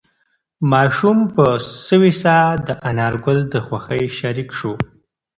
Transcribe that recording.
ماشوم په سوې ساه د انارګل د خوښۍ شریک شو.